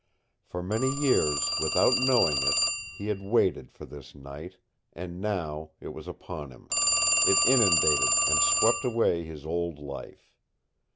For many years, without knowing it, he had waited for this night, and now that it was upon him, it inundated and swept away his old life.